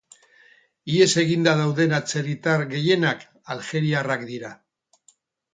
Ihes eginda dauden atzerritar gehienak aljeriarrak dira.